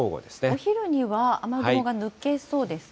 お昼には雨雲が抜けそうですかね。